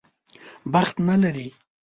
بخت نه لري.